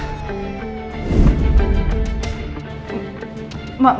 maksud bapak kejarin kebakaran itu